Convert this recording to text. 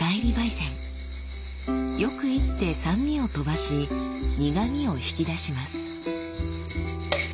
よく煎って酸味を飛ばし苦みを引き出します。